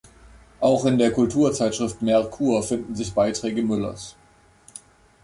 Auch in der Kulturzeitschrift Merkur finden sich Beiträge Müllers.